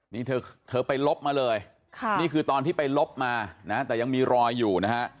นี่เธอไปลบมาเลยนี่คือตอนที่ไปลบมานะแต่ยังมีรอยอยู่นะฮะ